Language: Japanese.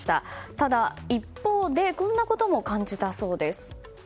ただ、一方でこんなことも感じたそうです。